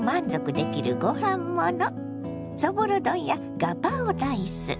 そぼろ丼やガパオライス